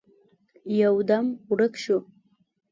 يودم ورک شو.